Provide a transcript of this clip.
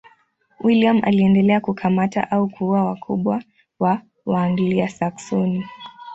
William aliendelea kukamata au kuua wakubwa wa Waanglia-Saksoni.